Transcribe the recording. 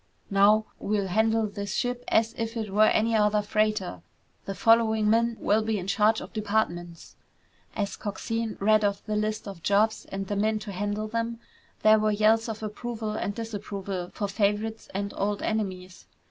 "Now, we'll handle this ship as if it were any other freighter. The following men will be in charge of departments!" As Coxine read off the list of jobs and the men to handle them, there were yells of approval and disapproval for favorites and old enemies.